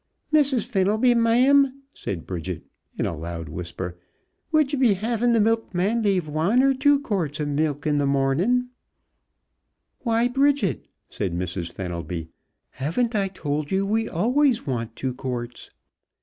"Missus Fenelby, ma'am," said Bridget, in a loud whisper, "would ye be havin' th' milkman lave wan or two quarts ov milk in th' mornin'?" "Why, Bridget," said Mrs. Fenelby, "haven't I told you we always want two quarts?"